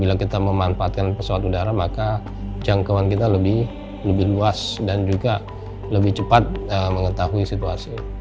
bila kita memanfaatkan pesawat udara maka jangkauan kita lebih luas dan juga lebih cepat mengetahui situasi